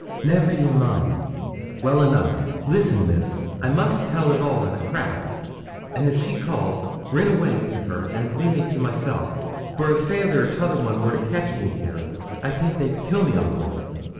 'Never ye mind. Well enough. Listen, Miss; I must tell it all in a crack, an' if she calls, rin awa' to her, and le' me to myself, for if fayther or t'other un wor to kotch me here, I think they'd kill me a'most.